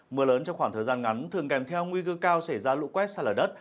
mưa lớn trong khoảng thời gian ngắn thường kèm theo nguy cơ cao xảy ra lũ quét xa lở đất